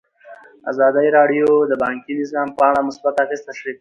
ازادي راډیو د بانکي نظام په اړه مثبت اغېزې تشریح کړي.